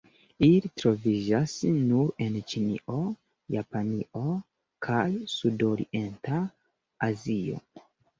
Ili troviĝas nur en Ĉinio, Japanio, kaj Sudorienta Azio.